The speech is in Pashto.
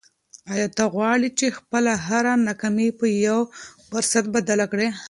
آیا ته غواړې چې خپله هره ناکامي په یو فرصت بدله کړې؟